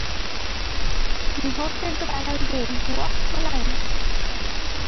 He hosted the panel game What's My Line?